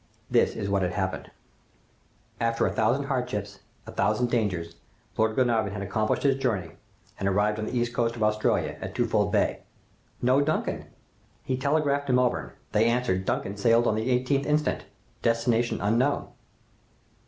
"This is what had happened. "After a thousand hardships, a thousand dangers, Lord Glenarvan had accomplished his journey, and arrived on the east coast of Australia, at Twofold Bay. 'No "Duncan!"' He telegraphed to Melbourne. They answered, "Duncan" sailed on the 18th instant. Destination unknown.